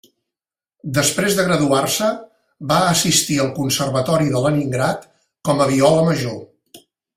Després de graduar-se, va assistir al Conservatori de Leningrad com a viola major.